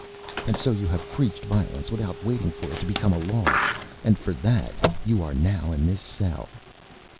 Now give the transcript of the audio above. "And so you have preached Violence without waiting for it to become a law? And for that you are now in this cell?"